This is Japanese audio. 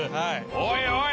おいおい。